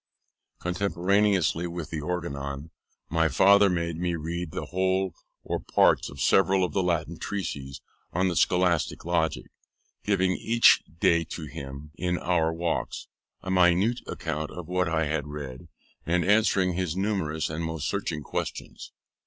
Contemporaneously with the Organon, my father made me read the whole or parts of several of the Latin treatises on the scholastic logic; giving each day to him, in our walks, a minute account of what I had read, and answering his numerous and most searching questions.